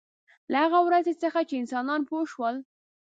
له هغې ورځې څخه چې انسانان پوه شول.